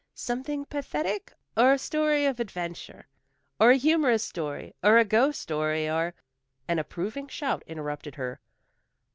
"Something pathetic, or a story of adventure, or a humorous story or a ghost story or " An approving shout interrupted her.